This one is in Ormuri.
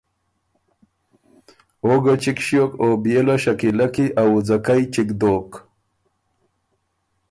او ګۀ چِګ ݭیوک او بيې له شکیلۀ کی ا وُځه کئ چِګ دوک۔